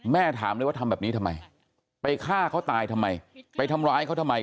ถามเลยว่าทำแบบนี้ทำไมไปฆ่าเขาตายทำไมไปทำร้ายเขาทำไม